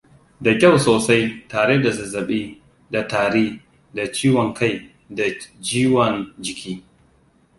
Da kyau sosai tare da zazzabi da tari da ciwon kai da jiwon jiki